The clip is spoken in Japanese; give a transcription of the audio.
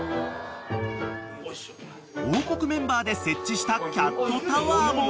［『王国』メンバーで設置したキャットタワーも］